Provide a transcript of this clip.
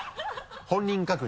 本人確認。